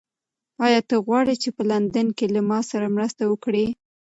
ایا ته غواړې چې په لندن کې له ما سره مرسته وکړې؟